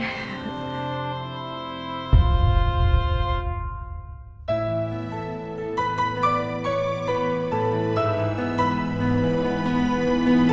aku mau bantuin